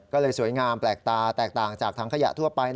ก็เลยสวยงามแปลกตาแตกต่างจากถังขยะทั่วไป